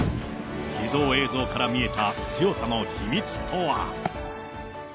秘蔵映像から見えた強さの秘密とは。